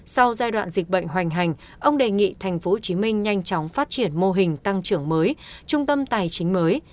sau giai đoạn dịch bệnh hoành hành ông đề nghị tp hcm nhanh chóng phát triển mô hình tăng trưởng mới trung tâm tài chính mới